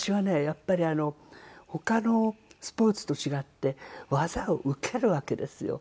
やっぱり他のスポーツと違って技を受けるわけですよ。